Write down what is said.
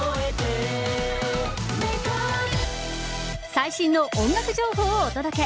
最新の音楽情報をお届け。